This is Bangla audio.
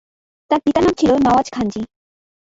তার পিতার নাম ছিল নওয়াজ খানজী।